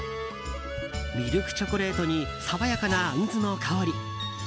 ミルクチョコレートに爽やかなアンズの香り。